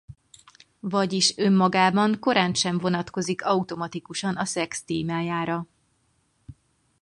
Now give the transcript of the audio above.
Vagyis önmagában korántsem vonatkozik automatikusan a szex témájára.